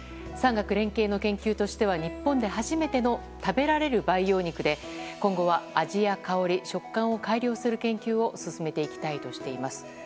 産学連携の研究としては日本で初めての食べられる培養肉で今後は、味や香り食感を改良する研究を進めていきたいとしています。